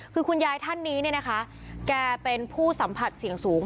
คุณยายท่านหนึ่งแกเป็นผู้สัมผัสเสี่ยงสูง